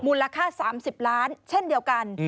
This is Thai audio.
มูลค่า๓๐ล้านเช่นเดียวกัน